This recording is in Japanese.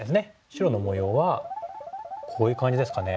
白の模様はこういう感じですかね。